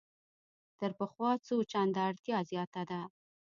تر پخوا څو چنده اړتیا زیاته ده.